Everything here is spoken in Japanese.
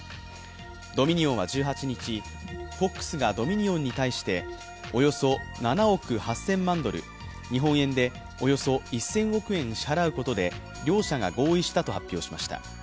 ドミニオンは１８日、ＦＯＸがドミニオンに対しておよそ７億８０００万ドル日本円でおよそ１０００億円支払うことで両者が合意したと発表しました。